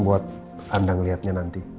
buat anda ngeliatnya nanti